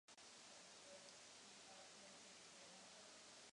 Proto jsem pro zprávu hlasoval.